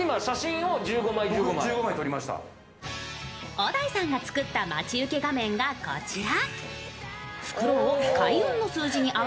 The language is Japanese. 小田井さんが作った待ち受け画面がこちら。